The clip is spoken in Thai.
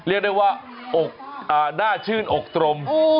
เรียกได้ว่าน่าชื่นอกตรม